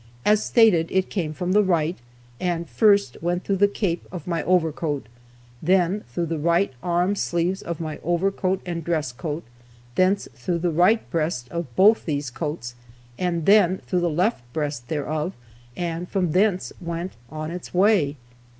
As stated, it came from the right, and first went through the cape of my overcoat, then through the right arm sleeves of my overcoat and dress coat, thence through the right breast of both those coats, and then through the left breast thereof, and from thence went on its way.